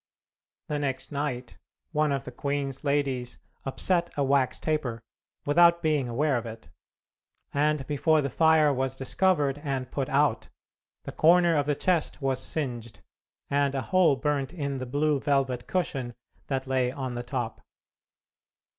The next night, one of the queen's ladies upset a wax taper, without being aware of it, and before the fire was discovered, and put out, the corner of the chest was singed, and a hole burnt in the blue velvet cushion that lay on the top.